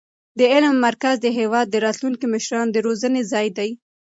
دا علمي مرکز د هېواد د راتلونکو مشرانو د روزنې ځای دی.